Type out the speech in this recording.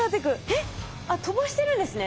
えっ。あっ飛ばしてるんですね。